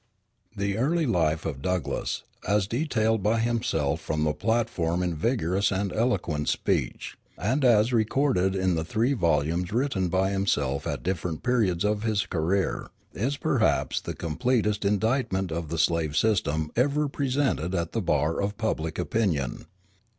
The early life of Douglass, as detailed by himself from the platform in vigorous and eloquent speech, and as recorded in the three volumes written by himself at different periods of his career, is perhaps the completest indictment of the slave system ever presented at the bar of public opinion.